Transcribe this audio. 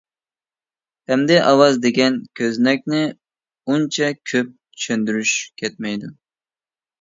ئەمدى «ئاۋاز» دېگەن كۆزنەكنى ئۇنچە كۆپ چۈشەندۈرۈش كەتمەيدۇ.